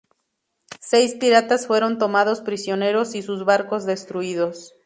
Seis piratas fueron tomados prisioneros y sus barcos destruidos.